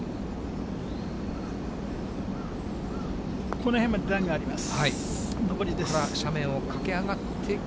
この辺まで段があります。